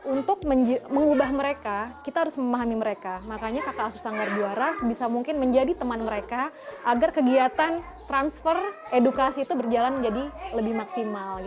untuk mengubah mereka kita harus memahami mereka makanya kakak asus sanggar juara sebisa mungkin menjadi teman mereka agar kegiatan transfer edukasi itu berjalan menjadi lebih maksimal